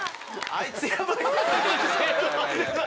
あいつやばいぞ。